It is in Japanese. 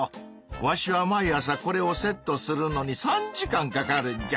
わしは毎朝これをセットするのに３時間かかるんじゃ。